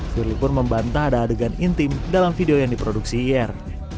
firly pun membantah ada adegan intim dalam video yang diproduksi ir